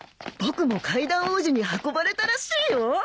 僕も階段王子に運ばれたらしいよ。